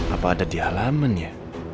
apa ada di halaman ya